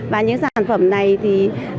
và những sản phẩm này thì